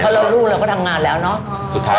ความสุขอ่ะ